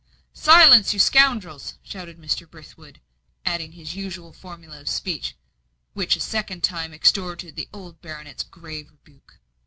"Silence, you scoundrels!" shouted Mr. Brithwood; adding his usual formula of speech, which a second time extorted the old baronet's grave rebuke.